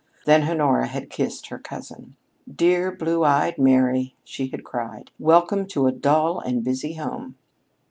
Then Honora had kissed her cousin. "Dear blue eyed Mary!" she had cried. "Welcome to a dull and busy home."